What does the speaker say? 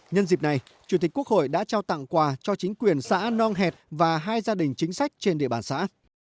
nhân dịp này chủ tịch quốc hội đã trao tặng quà cho chính quyền xã nong hẹt và hai gia đình chính sách trên địa bàn xã